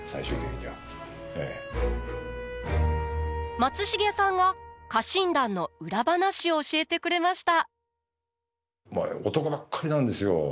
松重さんが家臣団の裏話を教えてくれました。